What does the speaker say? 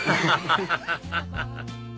ハハハハ！